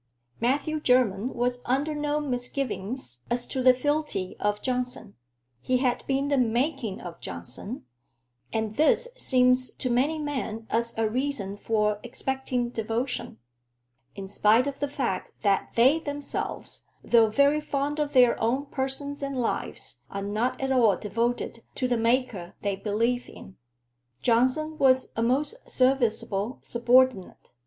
Matthew Jermyn was under no misgivings as to the fealty of Johnson. He had "been the making of Johnson"; and this seems to many men as a reason for expecting devotion, in spite of the fact that they themselves, though very fond of their own persons and lives, are not at all devoted to the Maker they believe in. Johnson was a most serviceable subordinate.